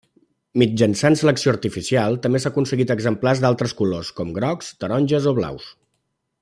Mitjançant selecció artificial, també s'ha aconseguit exemplars d'altres colors, com grocs, taronges o blaus.